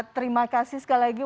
terima kasih sekali lagi